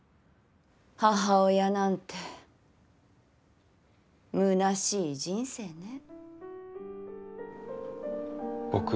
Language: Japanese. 母親なんてむなしい人生ね。